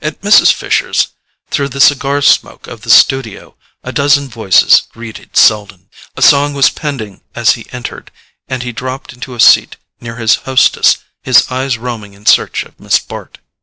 At Mrs. Fisher's, through the cigar smoke of the studio, a dozen voices greeted Selden. A song was pending as he entered, and he dropped into a seat near his hostess, his eyes roaming in search of Miss Bart.